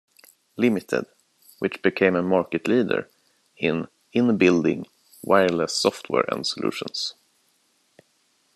Limited, which became a market leader in in-building wireless software and solution.